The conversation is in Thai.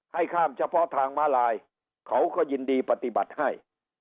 ข้ามเฉพาะทางมาลายเขาก็ยินดีปฏิบัติให้